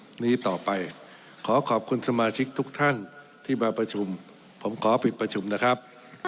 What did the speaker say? วันนี้ต่อไปขอขอบคุณสมาชิกทุกท่านที่มาประชุมผมขอปิดประชุมนะครับ